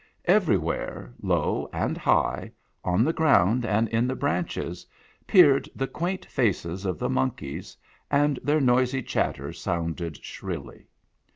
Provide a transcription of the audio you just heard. Everywhere, low and high, on the ground and in the branches, peered the quaint faces of the monkeys, and their noisy chatter sounded shrilly.